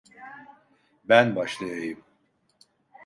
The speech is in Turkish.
Ben başlayayım.